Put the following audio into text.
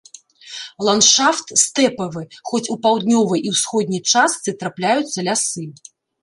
Ландшафт стэпавы, хоць у паўднёвай і ўсходняй частцы трапляюцца лясы.